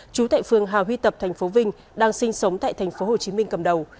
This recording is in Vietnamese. chú tại phương hào huy tập tp vinh đang sinh sống tại tp hcm cầm đầu